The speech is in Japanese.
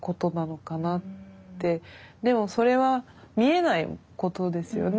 でもそれは見えないことですよね。